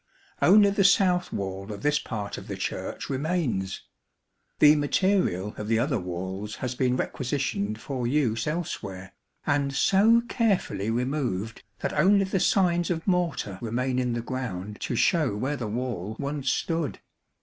Only the south wall of this part of the Church remains. The material of the other walls has been requisitioned for use elsewhere, and so carefully removed that only the signs of mortar remain in the ground to show where the wall once stood.